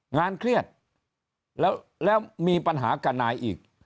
งานเครียดแล้วแล้วมีปัญหาการนายอีก